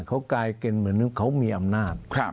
เขากลายเป็นเหมือนเขามีอำนาจ